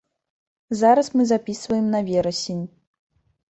Зараз мы запісваем на верасень.